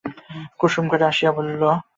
কুসুম ঘরে আসিয়া বলল, বিদায় নিতে এলাম ছোটবাবু।